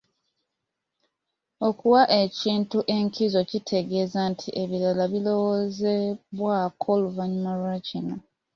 Okuwa ekintu enkizo kitegeeza nti ebiralala birowoozebwako luvannyuma lwa kino.